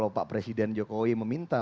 pak presiden jokowi meminta